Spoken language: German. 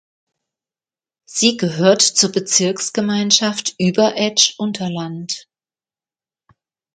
Sie gehört zur Bezirksgemeinschaft Überetsch-Unterland.